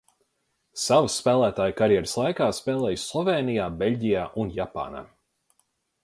Savas spēlētāja karjeras laikā spēlējis Slovēnija, Beļģijā un Japānā.